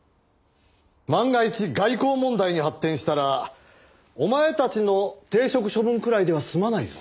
万が一外交問題に発展したらお前たちの停職処分くらいでは済まないぞ。